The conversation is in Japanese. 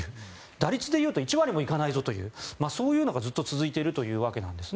打率でいうと１割も行かないぞというそういうのがずっと続いているというわけです。